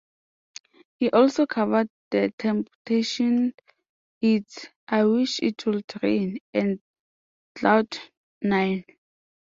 He also covered The Temptations' hits "I Wish It Would Rain" and "Cloud Nine".